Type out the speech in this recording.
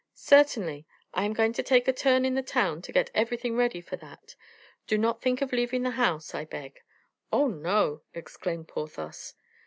"Certainly. I am going to take a turn in the town to get everything ready for that. Do not think of leaving the house, I beg." "Oh, no!" exclaimed Porthos.